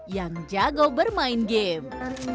yang jago bermain game